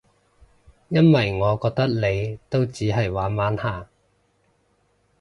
因為我覺得你都只係玩玩下